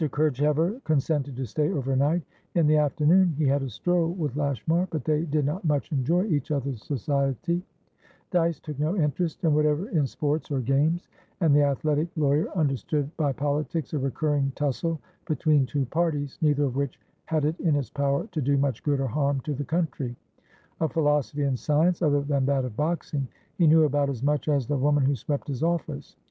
Kerchever consented to stay over night. In the afternoon he had a stroll with Lashmar, but they did not much enjoy each other's society; Dyce took no interest whatever in sports or games, and the athletic lawyer understood by politics a recurring tussle between two parties, neither of which had it in its power to do much good or harm to the country; of philosophy and science (other than that of boxing) he knew about as much as the woman who swept his office.